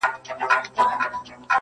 o په دوبي چيري وې، چي په ژمي راغلې!